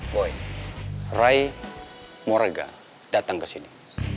boy rai morega datang kesini